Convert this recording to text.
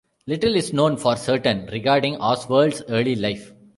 Little is known for certain regarding Oswald's early life.